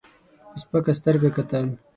په سپکه سترګه کتل.